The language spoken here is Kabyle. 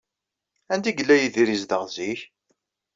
Anda ay yella Yidir yezdeɣ zik?